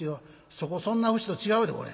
そこそんな節と違うで。